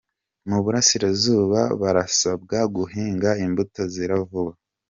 Mu burasirazuba barasabwa guhinga imbuto zera vuba.